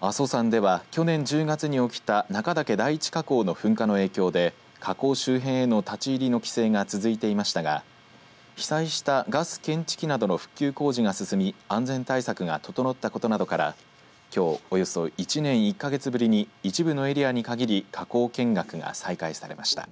阿蘇山では、去年１０月に起きた中岳第一火口の噴火の影響で火口周辺への立ち入りの規制が続いていましたが、被災したガス検知器などの復旧工事が進み安全対策が整ったことなどからきょうおよそ１年１か月ぶりに一部のエリアに限り火口見学が再開されました。